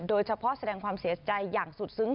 โดยเฉพาะแสดงความเสียใจอย่างสุดซึ้ง